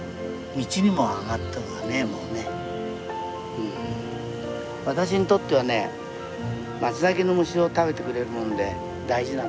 私にとってはねマツタケの虫を食べてくれるもんで大事なんですよ。